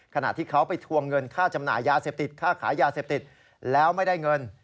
ขณะที่เขาไปทวงเงินค่าจำหน่ายยาเสพติดค่าขายยาเสพติดแล้วไม่ได้เงิน